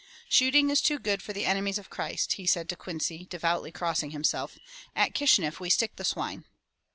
"Shooting is too good for the enemies of Christ,'' he said to Quincy, devoutly crossing himself. "At Kishineff we stick the swine."